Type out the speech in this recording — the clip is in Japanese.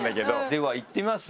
ではいってみます？